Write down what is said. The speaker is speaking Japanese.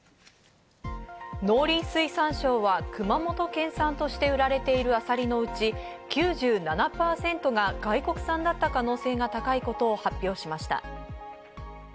農林水産省は熊本県産として売られているあさりのうち、９７％が外国産だった可能性が高いことを発表しました。